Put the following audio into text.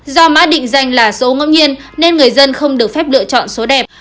do mã định danh là số ngẫu nhiên nên người dân không được phép lựa chọn số đẹp